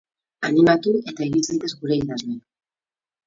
Animatu eta egin zaitez gure idazle!